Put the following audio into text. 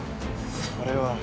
◆それは。